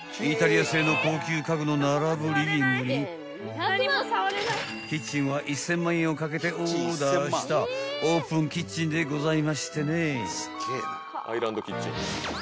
［イタリア製の高級家具の並ぶリビングにキッチンは１，０００万円をかけてオーダーしたオープンキッチンでございましてね］